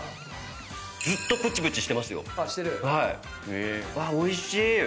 うわっおいしい！